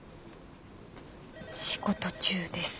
仕事中です。